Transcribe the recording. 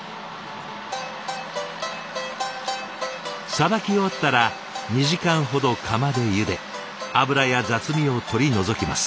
さばき終わったら２時間ほど釜でゆで脂や雑味を取り除きます。